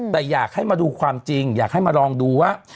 แต่อยากให้มาดูความจริงอยากให้มาลองดูว่า